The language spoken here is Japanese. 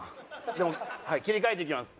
でも切り替えていきます。